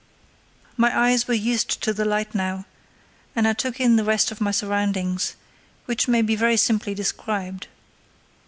My eyes were used to the light now, and I took in the rest of my surroundings, which may be very simply described.